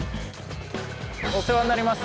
お世話になります。